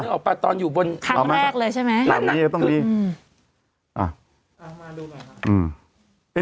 นึกออกปะตอนอยู่บนครั้งแรกเลยใช่ไหมนั่นอ่ะต้องดีอืมอ่ะมาดูก่อนค่ะอืม